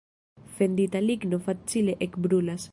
Fendita ligno facile ekbrulas.